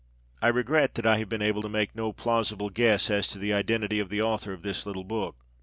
I regret that I have been able to make no plausible guess as to the identity of the author of this little book.